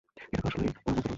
এটা তো আসলেই পয়মন্ত নাম।